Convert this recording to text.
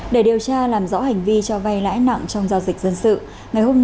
để điều tra làm rõ hành vi cho về